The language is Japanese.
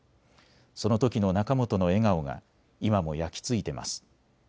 そのときの仲本の笑顔が今も焼き付いてます。